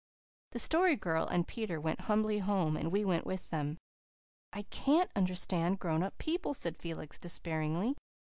The Story Girl and Peter went humbly home and we went with them. "I CAN'T understand grown up people," said Felix despairingly.